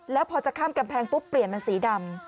แล้วพอจะข้ามกำแพงปุ๊บเปลี่ยนเป็นสีดำ